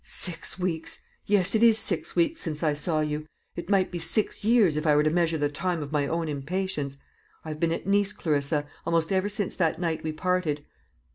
"Six weeks! Yes, it is six weeks since I saw you. It might be six years, if I were to measure the time by my own impatience. I have been at Nice, Clarissa, almost ever since that night we parted."